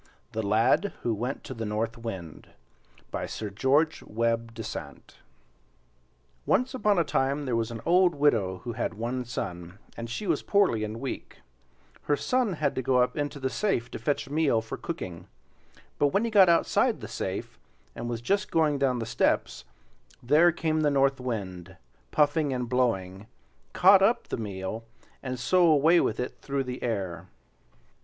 THE LAD WHO WENT TO THE NORTH WIND By Sir George Webbe Dasent Once upon a time there was an old widow who had one son, and she was poorly and weak, her son had to go up into the safe to fetch meal for cooking; but when he got outside the safe, and was just going down the steps, there came the North Wind, puffing and blowing, caught up the meal, and so away with it through the air.